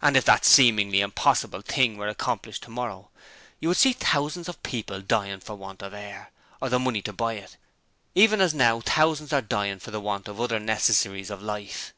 And if that seemingly impossible thing were accomplished tomorrow, you would see thousands of people dying for want of air or of the money to buy it even as now thousands are dying for want of the other necessities of life.